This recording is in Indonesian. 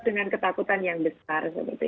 dengan ketakutan yang besar